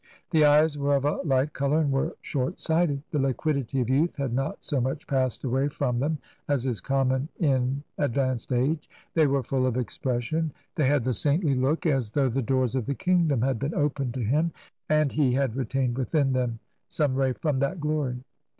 The ^yts were of a light colour and were short sighted ; the liquidity of youth had not so much passed away from them as is common in advanced age ; they were full of expression ; they had the saintly look, as though the doors of the kingdom had been opened to him and he had retained within them some ray from that glory.